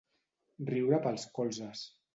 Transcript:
Riure pels colzes.